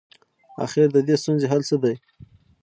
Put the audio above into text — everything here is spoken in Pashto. اخر ددې ستونزي حل څه دی؟